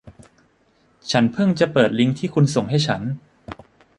ฉันเพิ่งจะเปิดลิงค์ที่คุณส่งให้ฉัน